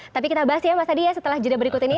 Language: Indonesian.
tapi kita bahas ya mas adi ya setelah jeda berikut ini